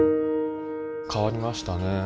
変わりましたね。